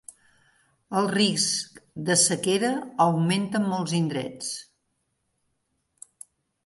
El risc de sequera augmenta en molts indrets.